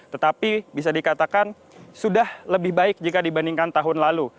tetapi bisa dikatakan sudah lebih baik jika dibandingkan tahun lalu